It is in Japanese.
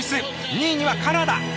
２位にはカナダ！